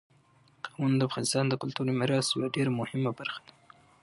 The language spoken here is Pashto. قومونه د افغانستان د کلتوري میراث یوه ډېره مهمه برخه ده.